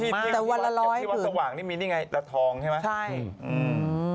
ที่ความสว่างนี่มีนี่ไงตลาดทองใช่ไหม